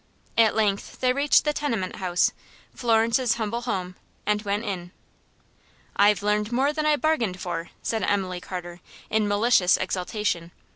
At length they reached the tenement house Florence's humble home and went in. "I've learned more than I bargained for," said Emily Carter, in malicious exultation.